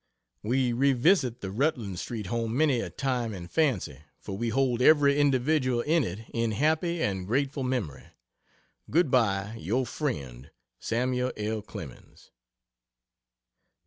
We revisit the Rutland Street home many a time in fancy, for we hold every individual in it in happy and grateful memory. Goodbye, Your friend, SAML. L. CLEMENS.